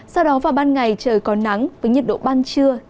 sau đó vào ban ngày trời có nắng với nhiệt độ ban trưa